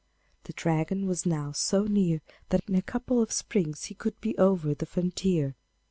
The Dragon was now so near that in a couple of springs he would be over the frontier.